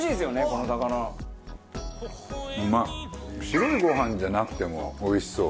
白いご飯じゃなくてもおいしそう。